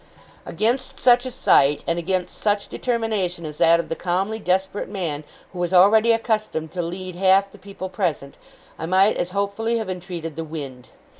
Against such a sight, and against such determination as that of the calmly desperate man who was already accustomed to lead half the people present, I might as hopefully have entreated the wind.